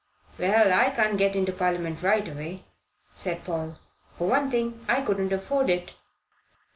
"Well, I can't get into Parliament right away," said Paul. "For one thing, I couldn't afford it."